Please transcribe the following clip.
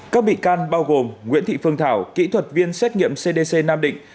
các bị can bao gồm nguyễn thị phương thảo kỹ thuật viên xét nghiệm cdc nam định